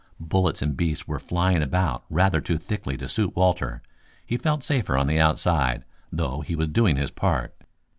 Bullets and beasts were flying about rather too thickly to suit Walter. He felt safer on the outside, though he was doing his part.